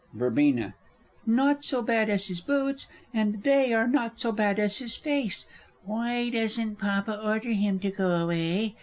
Verb. Not so bad as his boots, and they are not so bad as his face! Why doesn't Papa order him to go away?